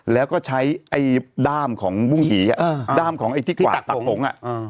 แล้วก็ใช้ไอด้ามของฟุ่งหิด้ามของไอที่ตากขง